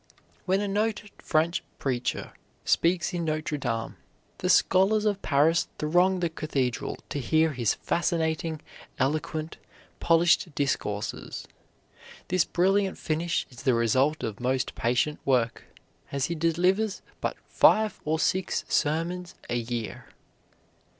When a noted French preacher speaks in Notre Dame, the scholars of Paris throng the cathedral to hear his fascinating, eloquent, polished discourses. This brilliant finish is the result of most patient work, as he delivers but five or six sermons a year.